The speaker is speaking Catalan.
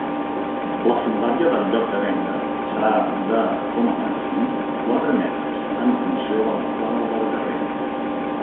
La fondària del lloc de venda serà de, com a màxim, quatre metres en funció de l'amplada del carrer.